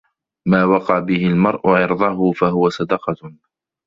مَا وَقَى بِهِ الْمَرْءُ عِرْضَهُ فَهُوَ صَدَقَةٌ